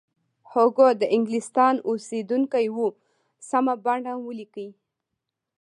هوګو د انګلستان اوسیدونکی و سمه بڼه ولیکئ.